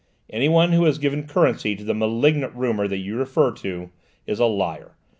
Anyone who has given currency to the malignant rumour you refer to, is a liar.